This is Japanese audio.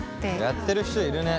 やってる人いるね。